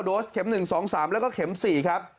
๖๑๗๔๙โดสเข็มหนึ่งสองสามแล้วก็เข็มสี่ครับ